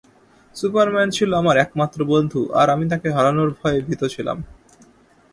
Superman ছিল আমার একমাত্র বন্ধু আর আমি তাকে হারানোর ভয়ে ভীত ছিলাম।